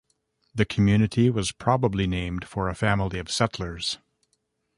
The community was probably named for a family of settlers.